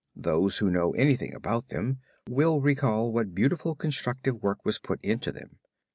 Those who know anything about them will recall what beautiful constructive work was put into them.